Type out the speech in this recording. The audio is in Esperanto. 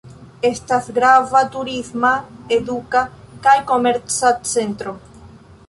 Estas grava turisma, eduka kaj komerca centro.